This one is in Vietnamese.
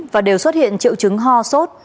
và đều xuất hiện triệu chứng ho